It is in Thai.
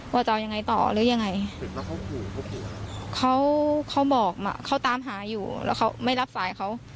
ว่าจะเอายังไงต่อหรือยังไงเขาบอกมาเขาตามหาอยู่แล้วเขาไม่รับสายเขา